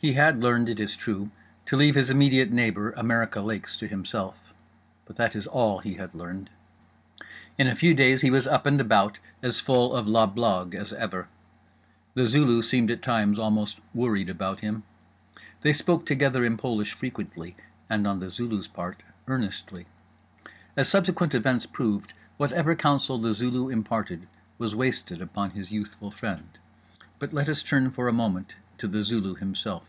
He had learned (it is true) to leave his immediate neighbour, America Lakes, to himself; but that is all he had learned. In a few days he was up and about, as full of la blague as ever. The Zulu seemed at times almost worried about him. They spoke together in Polish frequently and—on The Zulu's part—earnestly. As subsequent events proved, whatever counsel The Zulu imparted was wasted upon his youthful friend. But let us turn for a moment to The Zulu himself.